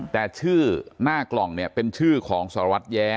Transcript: แต่ชื่อหน้ากล่องเนี่ยเป็นชื่อของสารวัตรแย้